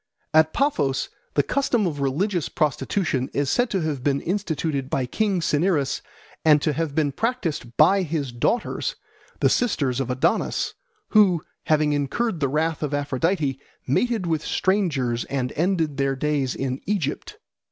At Paphos the custom of religious prostitution is said to have been instituted by King Cinyras, and to have been practised by his daughters, the sisters of Adonis, who, having incurred the wrath of Aphrodite, mated with strangers and ended their days in Egypt.